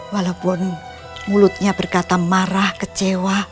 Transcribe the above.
walaupun mulutnya berkata marah kecewa